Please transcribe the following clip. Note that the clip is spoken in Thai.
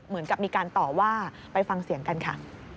เหมือนกับมีการต่อว่าไปฟังเสียงกันค่ะ